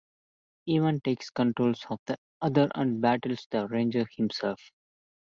Ivan takes control of the other and battles the Rangers himself.